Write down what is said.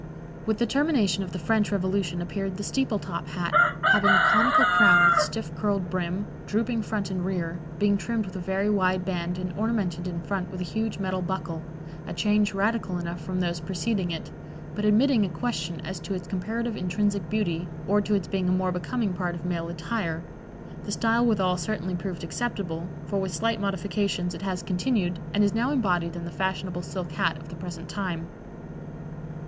With the termination of the French Revolution appeared the "steeple top" hat, having a conical crown with stiff curled brim, drooping front and rear, being trimmed with a very wide band and ornamented in front with a huge metal buckle, a change radical enough from those preceding it, but admitting a question as to its comparative intrinsic beauty or to its being a more becoming part of male attire; the style withal certainly proved acceptable, for with slight modifications it has continued and is now embodied in the fashionable silk hat of the present time.